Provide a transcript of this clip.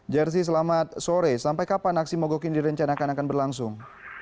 jersi selamat sore sampai kapan aksi mogok ini direncanakan akan berlangsung